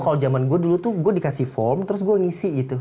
kalau zaman gue dulu tuh gue dikasih form terus gue ngisi gitu